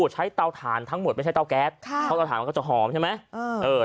เตาถ่านทั้งหมดไม่ใช่เตาแก๊สเพราะเตาถ่านมันก็จะหอมใช่ไหม